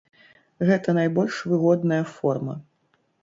Гэта найбольш выгодная форма.